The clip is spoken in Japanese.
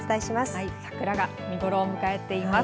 はい、桜が見頃を迎えています。